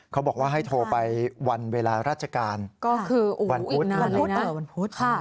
เขาบอกว่าให้โทรไปวันเวลาราชการวันพุธ